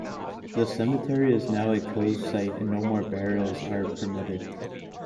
The cemetery is now a closed site and no more burials are permitted.